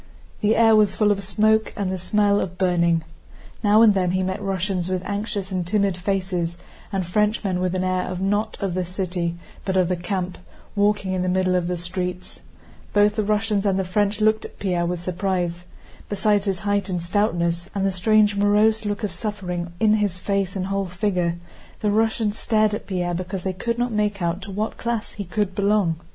The air was full of smoke and the smell of burning. Now and then he met Russians with anxious and timid faces, and Frenchmen with an air not of the city but of the camp, walking in the middle of the streets. Both the Russians and the French looked at Pierre with surprise. Besides his height and stoutness, and the strange morose look of suffering in his face and whole figure, the Russians stared at Pierre because they could not make out to what class he could belong.